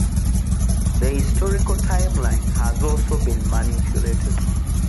The historical timeline has also been manipulated.